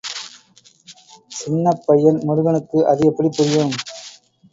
சின்னப் பையன் முருகனுக்கு அது எப்படி புரியும்?